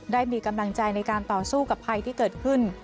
ได้มีกำลังใจในการต่อสู้กับภัยที่เกิดขึ้น